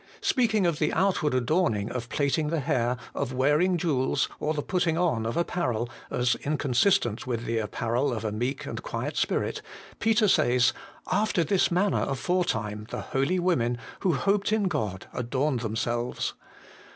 Speak ing of the 'outward adorning of plaiting the hair, of wearing jewels, or the putting on of apparel,' as inconsistent with 'the apparel of a meek and quiet spirit,' Peter says, 'After this manner aforetime the holy women, who hoped in God, adorned themselves.'